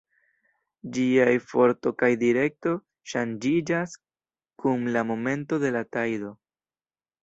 Ĝiaj forto kaj direkto ŝanĝiĝas kun la momento de la tajdo.